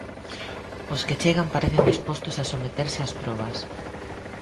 Os que chegan parecen dispostos a someterse as probas.